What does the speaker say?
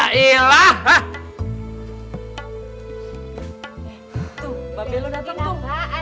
tuh bapak belu dateng tuh